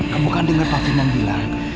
kamu kan dengar pak firman bilang